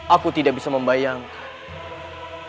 aku tidak bisa membayangkan